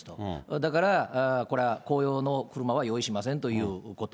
だからこれは公用の車は用意しませんということ。